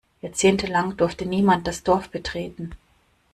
Jahrzehntelang durfte niemand das Dorf betreten.